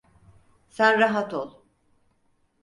Sen rahat ol.